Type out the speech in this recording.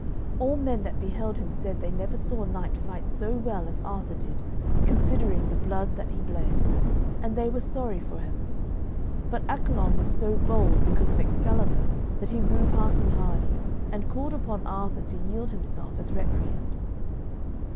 All men that beheld him said they never saw knight fight so well as Arthur did, considering the blood that he bled, and they were sorry for him. But Accolon was so bold because of Excalibur that he grew passing hardy, and called upon Arthur to yield himself as recreant.